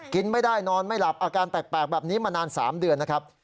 กินไม่ได้นอนไม่หลับอาการแปลกแบบนี้มานาน๓เดือนนะครับ